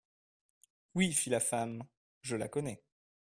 Oui, fit la femme, je la connais.